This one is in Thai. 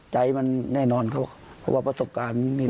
ใจมันแน่นอนเพราะว่าประสบการณ์ไม่มี